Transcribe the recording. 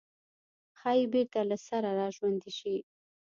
ښايي بېرته له سره راژوندي شي.